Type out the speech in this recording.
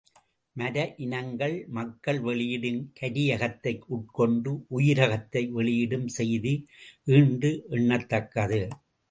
மர இனங்கள் மக்கள் வெளியிடும் கரியகத்தை உட்கொண்டு, உயிரகத்தை வெளியிடும் செய்தி ஈண்டு எண்னத்தக்கது.